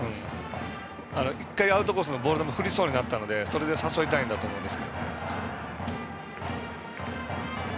１回アウトコースのボール球振りそうになったのでそれで誘いたいんだと思います。